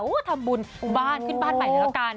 อู้วทำบุญบ้านขึ้นบ้านไปแล้วกัน